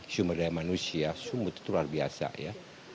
sumudaya manusia sumut itu luar biasa ya